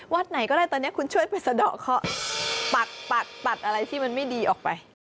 ไหนก็ได้ตอนนี้คุณช่วยไปสะดอกเคาะปัดอะไรที่มันไม่ดีออกไป